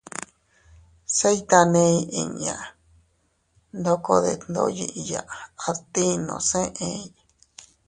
Se iytaney inña ndoko detndoyiya adtinos eʼey: